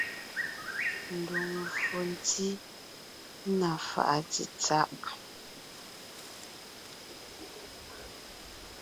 Ndùŋmvfò ntí (na fàʼa tsetsáʼ).